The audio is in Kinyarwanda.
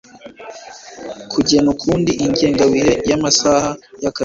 kugena ukundi ingengabihe y amasaha y akazi